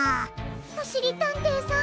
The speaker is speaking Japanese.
おしりたんていさん